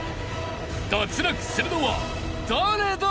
［脱落するのは誰だ？］